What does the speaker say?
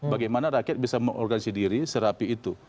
bagaimana rakyat bisa mengorganisasi diri serapi itu